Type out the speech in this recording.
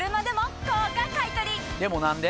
でも何で？